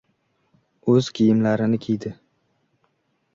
O‘z kiyimlarini kiydi.